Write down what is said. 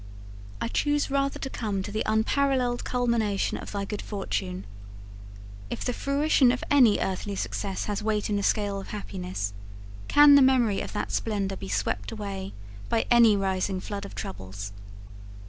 I choose rather to come to the unparalleled culmination of thy good fortune. If the fruition of any earthly success has weight in the scale of happiness, can the memory of that splendour be swept away by any rising flood of troubles?